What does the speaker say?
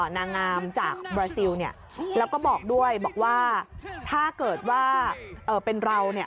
นางงามจากบราซิลเนี่ยแล้วก็บอกด้วยบอกว่าถ้าเกิดว่าเป็นเราเนี่ย